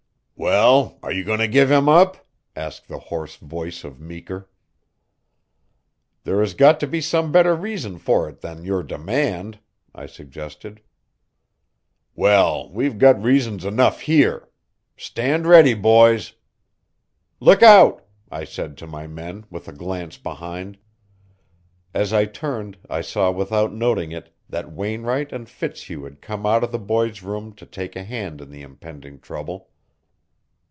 "Well, are you going to give him up?" asked the hoarse voice of Meeker. "There has got to be some better reason for it than your demand," I suggested. "Well, we've got reasons enough here. Stand ready, boys." "Look out!" I said to my men, with a glance behind. As I turned I saw without noting it that Wainwright and Fitzhugh had come out of the boy's room to take a hand in the impending trouble.